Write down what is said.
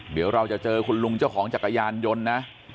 เดี๋ยวเราจะเจอคุณลุงเจ้าของจักรยานยนต์นะ